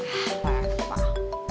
apaan itu pak